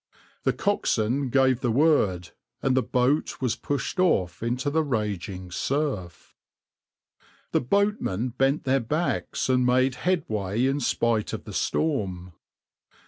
The coxswain gave the word, and the boat was pushed off into the raging surf. The boatmen bent their backs and made headway in spite of the storm.